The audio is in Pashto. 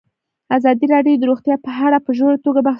ازادي راډیو د روغتیا په اړه په ژوره توګه بحثونه کړي.